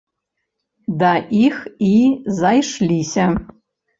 Да іх і зайшліся.